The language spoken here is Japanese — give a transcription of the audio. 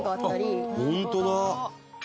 「本当だ！」